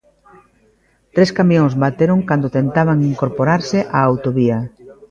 Tres camións bateron cando tentaban incorporarse á autovía.